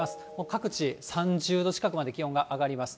各地３０度近くまで気温が上がります。